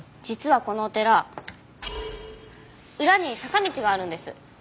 実はこのお寺裏に坂道があるんです。